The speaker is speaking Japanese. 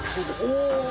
お！